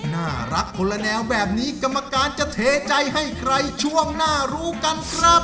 น่ารักคนละแนวแบบนี้กรรมการจะเทใจให้ใครช่วงหน้ารู้กันครับ